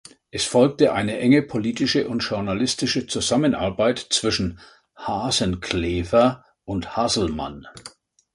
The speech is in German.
Es folgte eine enge politische und journalistische Zusammenarbeit zwischen Hasenclever und Hasselmann.